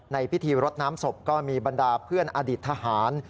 ในพิธีรดน้ำศพก็มีบรรดาเพื่อนอดีตทหาร